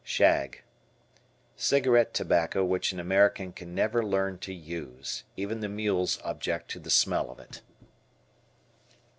Shag. Cigarette tobacco which an American can never learn to use. Even the mules object to the smell of it.